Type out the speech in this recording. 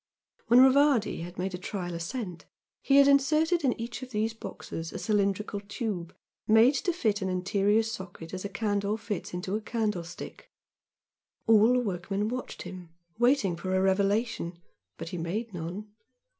When Rivardi had made a trial ascent he had inserted in each of these boxes a cylindrical tube made to fit an interior socket as a candle fits into a candle stick, all the workmen watched him, waiting for a revelation, but he made none.